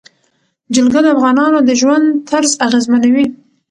جلګه د افغانانو د ژوند طرز اغېزمنوي.